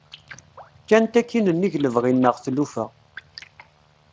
Kkant akin nnig lebɣi-nneɣ tlufa.